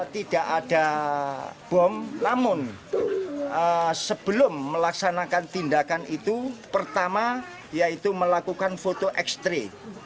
tidak ada bom namun sebelum melaksanakan tindakan itu pertama yaitu melakukan foto ekstri